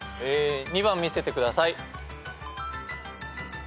２番見せてください。